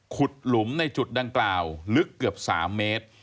หลุมในจุดดังกล่าวลึกเกือบ๓เมตร